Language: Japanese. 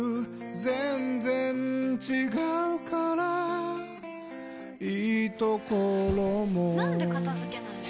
全然違うからいいところもなんで片付けないの？